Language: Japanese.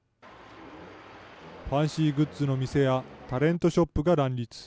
ファンシーグッズの店やタレントショップが乱立。